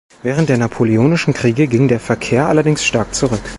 Während der napoleonischen Kriege ging der Verkehr allerdings stark zurück.